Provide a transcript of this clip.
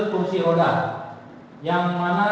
kursi roda yang mana